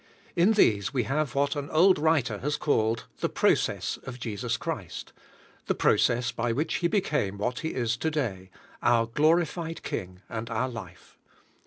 In chese we have what an old writer has called "the process of Jesus Christ;" the process b}^ which He became what He is to day — our glorified King, and our life.